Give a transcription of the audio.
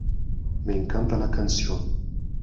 Me encanta la canción.